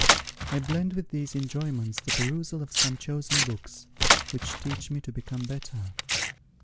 I blend with these enjoyments the perusal of some chosen books, which teach me to become better.